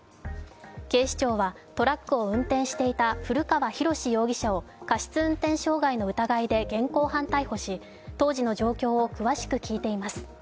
警視庁はトラックを運転していた古川浩容疑者を過失運転傷害の疑いで現行犯逮捕し、当時の状況を詳しく聴いています。